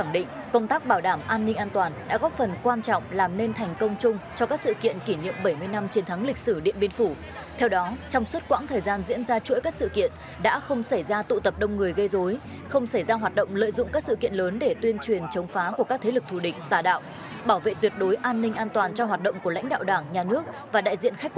để bảo đảm an ninh an toàn cho buổi lễ lực lượng công an tỉnh điện biên đã xây dựng các phương án ban hành kế hoạch cụ thể phối hợp hiệp đồng với các lực lượng khác